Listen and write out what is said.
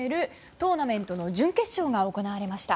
トーナメントの準決勝が行われました。